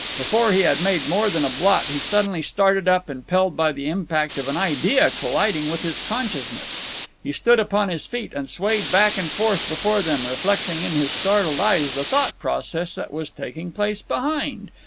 Before he had made more than a blot, he suddenly started up, impelled by the impact of an idea colliding with his consciousness. He stood upon his feet and swayed back and forth before them, reflecting in his startled eyes the thought process that was taking place behind.